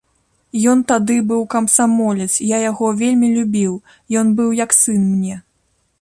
Ён тады быў камсамолец, я яго вельмі любіў, ён быў як сын мне.